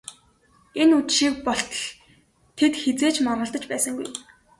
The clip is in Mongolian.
Энэ үдшийг болтол тэд хэзээ ч маргалдаж байсангүй.